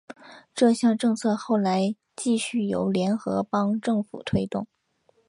这项政策后来继续由联合邦政府推动。